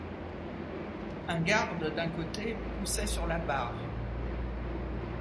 Un garde d'un côté poussait sur la barre.